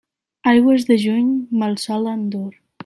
Aigües de juny mal solen dur.